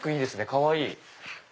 かわいい！